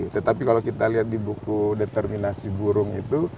tetapi kalau kita lihat di buku determinasi burung itu